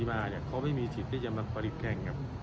พอเจ้ายกเว้นภาษีมา